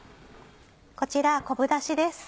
こちら昆布ダシです。